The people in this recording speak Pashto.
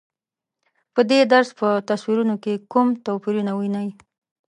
په دې درس په تصویرونو کې کوم توپیرونه وینئ؟